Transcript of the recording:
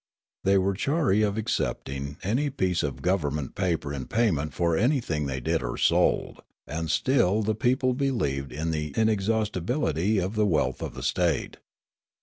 They were chary of accepting any piece of government paper in payment for anything they did or sold, and still the people believed in the inexhaustibility of the wealth of the state.